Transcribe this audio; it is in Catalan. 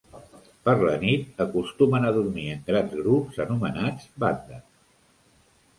Per la nit, acostumen a dormir en grans grups anomenats bandes.